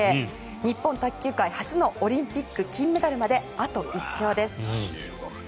日本卓球界初のオリンピック金メダルまであと１勝です。